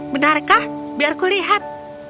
benarkah biar kulihat